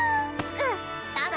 うん。